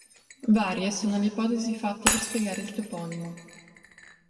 Varie sono le ipotesi fatte per spiegare il toponimo.